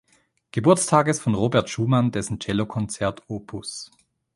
Geburtstages von Robert Schumann dessen Cellokonzert op.